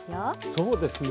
そうですね。